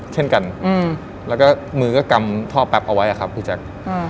แล้วก็มือก็กำท่อแปปเอาไว้ครับพี่แจ๊ค